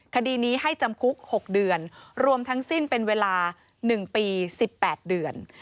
คดีนี้ให้จำคุก๖เดือนรวมทั้งสิ้นเป็นเวลา๑ปี๑๘เดือน